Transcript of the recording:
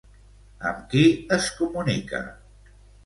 Amb qui es comunica?